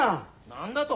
何だと？